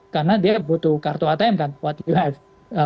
karena dia butuh kartu atm kan what you have